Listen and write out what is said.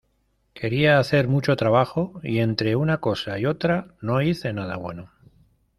Quería hacer mucho trabajo y entre una cosa y otra no hice nada bueno.